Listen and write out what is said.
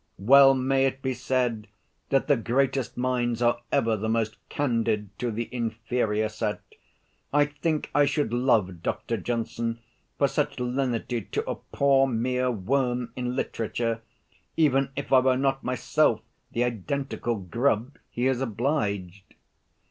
Well may it be said, that the greatest minds are ever the most candid to the inferior set! I think I should love Dr. Johnson for such lenity to a poor mere worm in literature, even if I were not myself the identical grub he has obliged.